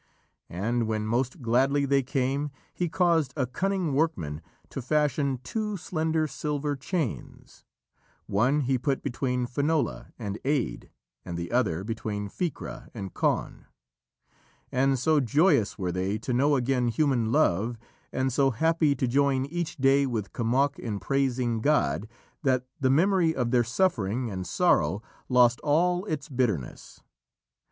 And when most gladly they came, he caused a cunning workman to fashion two slender silver chains; one he put between Finola and Aed, and the other between Ficra and Conn, and so joyous were they to know again human love, and so happy to join each day with Kemoc in praising God, that the memory of their suffering and sorrow lost all its bitterness.